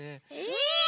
え⁉